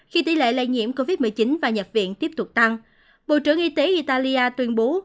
khi tỷ lệ lây nhiễm covid một mươi chín và nhập viện tiếp tục tăng bộ trưởng y tế italia tuyên bố